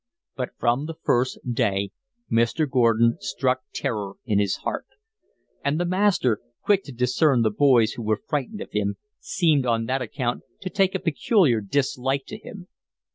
But from the first day Mr. Gordon struck terror in his heart; and the master, quick to discern the boys who were frightened of him, seemed on that account to take a peculiar dislike to him.